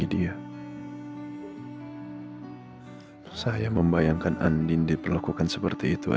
jika kita akan berbuka keseluruhan